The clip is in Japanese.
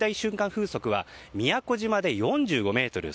風速は宮古島で４５メートル